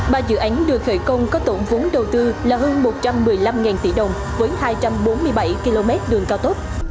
ba dự án được khởi công có tổng vốn đầu tư là hơn một trăm một mươi năm tỷ đồng với hai trăm bốn mươi bảy km đường cao tốc